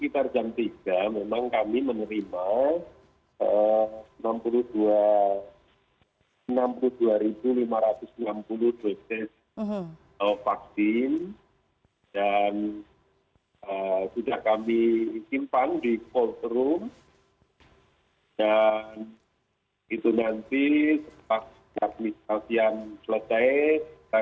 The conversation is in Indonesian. dan itu nanti setelah administrasi selesai